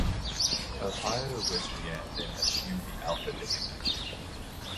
Ohio Wesleyan then assumed the Alpha designation.